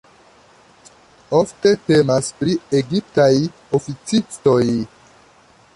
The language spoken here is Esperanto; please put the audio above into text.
Ofte temas pri egiptaj oficistoj.